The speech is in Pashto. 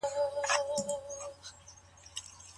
که عرفونه پريږدئ ژوند به اسانه سي.